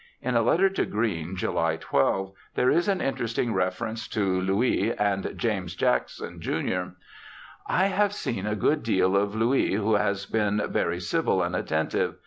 In a letter to Green, July 12, there is an interesting reference to Louis and James Jackson, jun. :* I have seen a good deal of Louis, who has been very civil and attentive.